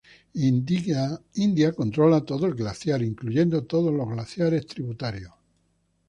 India controla todo el glaciar, incluyendo todos los glaciares tributarios.